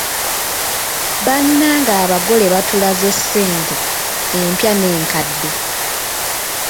Bannange abagole batulaze ssente, empya n'enkadde.